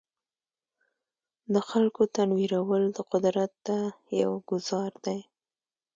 د خلکو تنویرول د قدرت ته یو ګوزار دی.